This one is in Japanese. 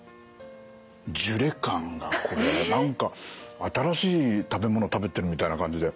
ジュレ感がこれ何か新しい食べ物食べてるみたいな感じで。